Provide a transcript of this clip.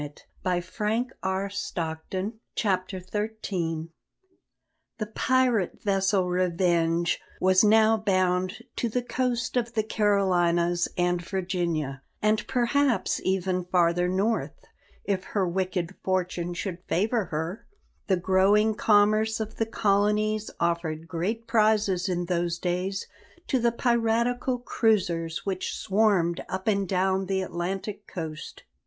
CHAPTER XIII CAPTAIN BONNET GOES TO CHURCH The pirate vessel Revenge was now bound to the coast of the Carolinas and Virginia, and perhaps even farther north, if her wicked fortune should favour her. The growing commerce of the colonies offered great prizes in those days to the piratical cruisers which swarmed up and down the Atlantic coast.